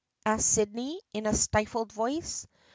asked Sydney in a stifled voice.